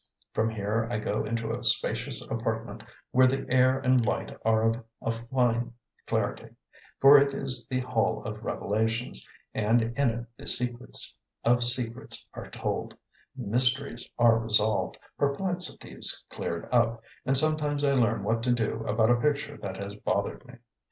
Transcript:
From here I go into a spacious apartment where the air and light are of a fine clarity, for it is the hall of revelations, and in it the secrets of secrets are told, mysteries are resolved, perplexities cleared up, and sometimes I learn what to do about a picture that has bothered me.